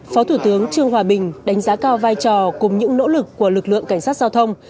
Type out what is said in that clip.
phó thủ tướng trương hòa bình đánh giá cao vai trò cùng những nỗ lực của lực lượng cảnh sát giao thông